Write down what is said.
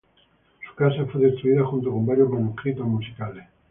Su casa fue destruida junto con varios manuscritos musicales.